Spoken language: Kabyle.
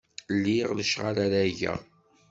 Liɣ lecɣal ara geɣ.